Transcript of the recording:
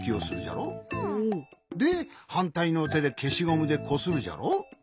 ではんたいのてでけしゴムでこするじゃろ？